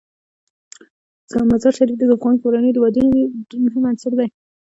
مزارشریف د افغان کورنیو د دودونو مهم عنصر دی.